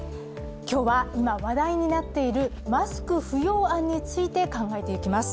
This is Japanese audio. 今日は、今話題になっているマスク不要案について考えていきます。